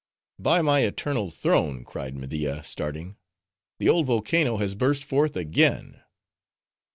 "By my eternal throne!" cried Media, starting, "the old volcano has burst forth again!"